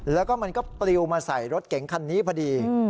แล้วก็มันก็ปลิวมาใส่รถเก๋งคันนี้พอดี